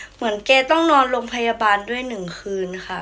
เหมือนแกต้องนอนโรงพยาบาลด้วย๑คืนค่ะ